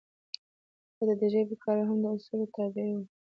حتی د ژبې کارول هم د اصولو تابع وو.